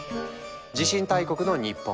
地震大国の日本。